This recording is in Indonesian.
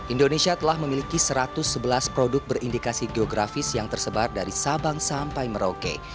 indonesia telah memiliki satu ratus sebelas produk berindikasi geografis yang tersebar dari sabang sampai merauke